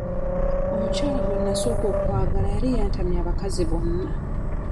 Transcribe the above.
Omukyala gwe nnasooka okwagala yali yantamya abakazi bonna.